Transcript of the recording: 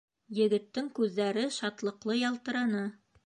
Егеттең күҙҙәре шатлыҡлы ялтыраны.